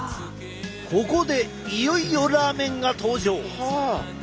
ここでいよいよラーメンが登場。